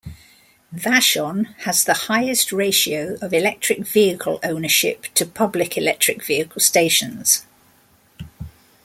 Vashon has the highest ratio of electric vehicle ownership to public electric vehicle stations.